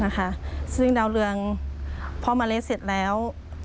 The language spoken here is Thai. ซึ่งดาวเรืองพอเมล็ดเสร็จแล้ว